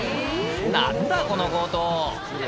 なんだこの強盗。